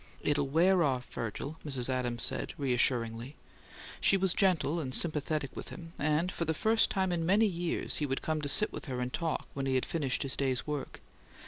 "It'll wear off, Virgil," Mrs. Adams said, reassuringly. She was gentle and sympathetic with him, and for the first time in many years he would come to sit with her and talk, when he had finished his day's work.